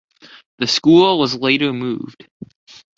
The school was later moved.